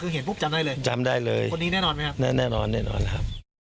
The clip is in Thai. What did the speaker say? คือเห็นปุ๊บจำได้เลยจำได้เลยคนนี้แน่นอนไหมครับแน่นอนแน่นอนครับ